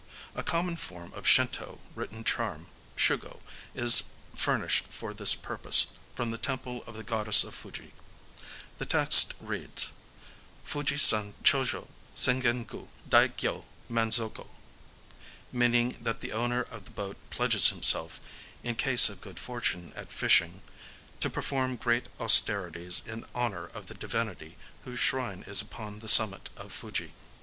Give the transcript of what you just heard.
A common form of Shintō written charm (shugo) is furnished for this purpose from the temple of the Goddess of Fuji: the text reads:—Fuji san chōjō Sengen gu dai gyō manzoku,—meaning that the owner of the boat pledges himself, in case of good fortune at fishing, to perform great austerities in honor of the divinity whose shrine is upon the summit of Fuji.